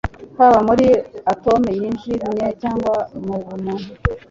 Haba muri atome yijimye cyangwa mubumuntu